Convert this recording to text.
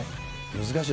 難しい。